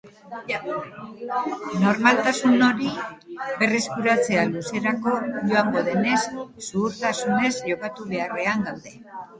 Normaltasun hori berreskuratzea luzerako joango denez, zuhurtasunez jokatu beharrean gaude.